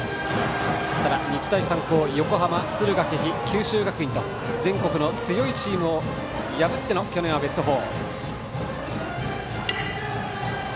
ただ、日大三高、横浜、敦賀気比九州学院と全国の強いチームを破っての去年はベスト４。